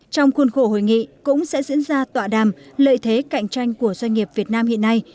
trong khuôn khổ hội nghị cũng sẽ diễn ra tọa đàm lợi thế cạnh tranh của doanh nghiệp việt nam hiện nay